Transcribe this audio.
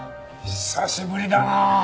久しぶりだなあ。